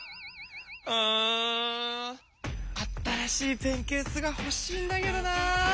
うん新しいペンケースがほしいんだけどなあ。